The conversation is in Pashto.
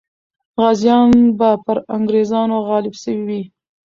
غازیان به پر انګریزانو غالب سوي وي.